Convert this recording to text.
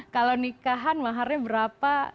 kalau nikahan maharnya berapa